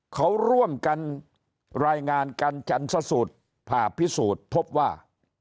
เขาร่วมกันรายงานกันจันทรสูตรผ่าพิสูจน์พบว่า